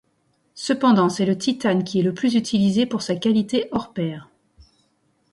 Cependant, c'est le titane qui est le plus utilisé pour sa qualité hors pair.